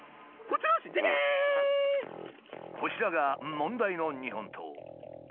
こちらが問題の日本刀。